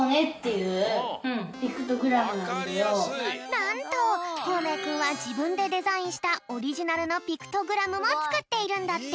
なんとこうめいくんはじぶんでデザインしたオリジナルのピクトグラムもつくっているんだって。